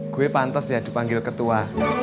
gue pantas ya dipanggil ketua